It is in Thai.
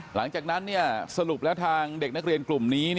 หลังจากนั้นสรุปแล้วทางเด็กนักเรียนกลุ่มนี้